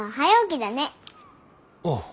ああ。